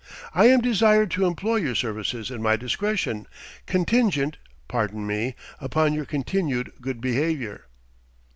I am desired to employ your services in my discretion, contingent pardon me upon your continued good behaviour."